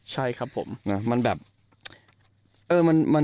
ใช่ครับผม